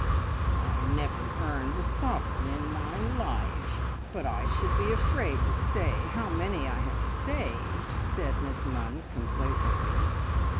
"I never earned a sovereign in my life, but I should be afraid to say how many I have saved!" said Miss Munns complacently.